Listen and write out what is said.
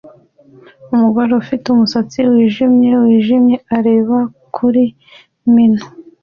Umugore ufite umusatsi wijimye wijimye areba kuri menu